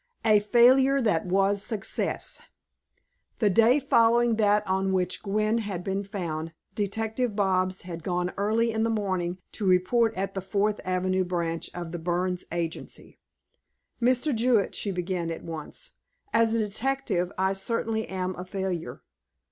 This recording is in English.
A FAILURE THAT WAS SUCCESS The day following that on which Gwen had been found, Detective Bobs had gone early in the morning to report at the Fourth Avenue Branch of the Burns Agency. "Mr. Jewett," she began at once, "as a detective I certainly am a failure."